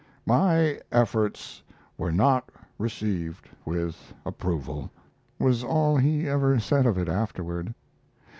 "My efforts were not received with approval," was all he ever said of it afterward.